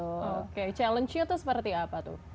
oke challenge nya tuh seperti apa tuh